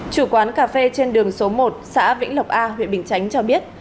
chủ quán cà phê trên đường số một xã vĩnh lộc a huyện bình chánh cho biết